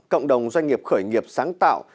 cộng đồng doanh nghiệp khởi nghiệp sáng tạo